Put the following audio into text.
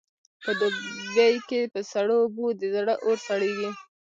په دوبې کې په سړو اوبو د زړه اور سړېږي.